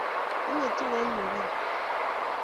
Angetu eng yuu gaa